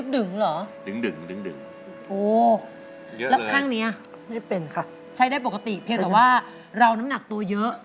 ดึงหรือหรอโอ้โหแล้วข้างนี้ใช้ได้ปกติเพียสาว่าเราน้ำหนักตัวเยอะ